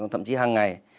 thậm chí hàng ngày